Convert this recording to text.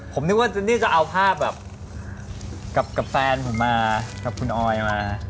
ผมนึกว่าเจนนี่ก็เอาภาพแบบกับแฟนผมมากับคุณออยมา